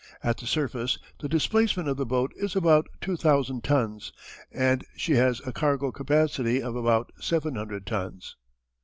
At the surface the displacement of the boat is about 2000 tons, and she has a cargo capacity of about 700 tons.